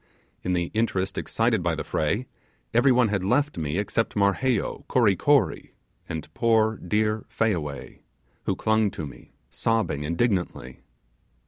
In the interest excited by the fray, every one had left me except Marheyo, Kory Kory and poor dear Fayaway, who clung to me, sobbing indignantly.